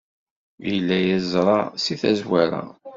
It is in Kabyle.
Yella yeẓra seg tazwara.